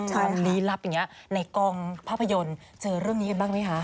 ความลี้ลับอย่างนี้ในกองภาพยนตร์เจอเรื่องนี้กันบ้างไหมคะ